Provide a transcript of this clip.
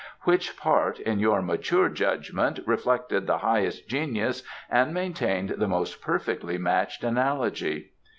"Which part, in your mature judgment, reflected the highest genius and maintained the most perfectly matched analogy?"